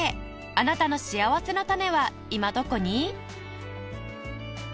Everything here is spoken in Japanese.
あなたのしあわせのたねは今どこに？